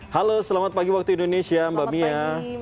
halo selamat pagi waktu indonesia mbak mia